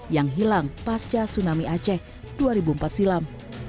yang hilang pasca tsunami aceh dua ribu empat silam